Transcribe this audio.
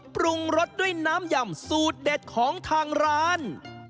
ปรุงรสด้วยน้ำยำสูตรเด็ดของทางร้าน